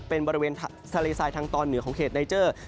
เป็นบริเวณทะเลทรายทางตอนเหนือของเขตไนเจอร์